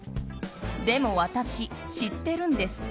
でも私、知ってるんです。